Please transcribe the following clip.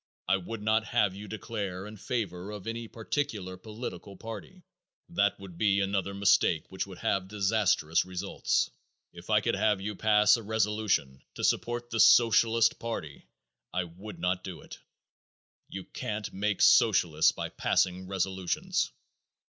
I would not have you declare in favor of any particular political party. That would be another mistake which would have disastrous results. If I could have you pass a resolution to support the Socialist party I would not do it. You can't make Socialists by passing resolutions.